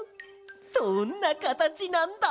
どんなかたちなんだ？